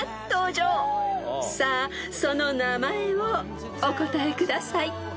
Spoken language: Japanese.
［さあその名前をお答えください］